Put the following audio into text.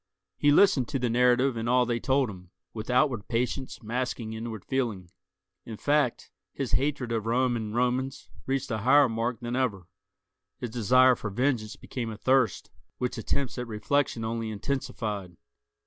He listened to the narrative and all they told him, with outward patience masking inward feeling. In fact, his hatred of Rome and Romans reached a higher mark than ever; his desire for vengeance became a thirst which attempts at reflection only intensified.